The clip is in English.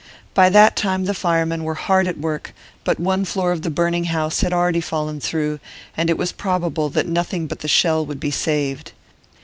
By that time the firemen were hard at work, but one floor of the burning house had already fallen through, and it was probable that nothing but the shell would be saved.